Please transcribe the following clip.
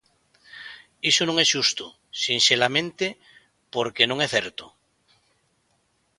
Iso non é xusto, sinxelamente porque non é certo.